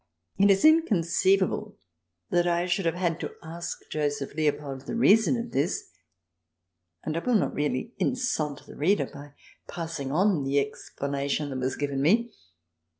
It is inconceivable that I should have had to ask Joseph Leopold the reason of this, and I will not really insult the reader by passing on the explanation that was given me.